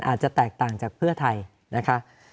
อาจจะแตกต่างจากเพื่อไทยนะคะ